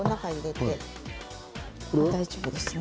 大丈夫ですよ。